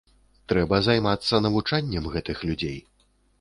Трэба займацца навучаннем гэтых людзей.